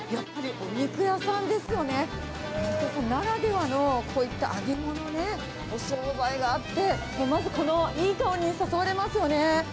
お肉屋さんならではの、こういった揚げ物ね、お総菜があって、まずこのいい香りに誘われますよね。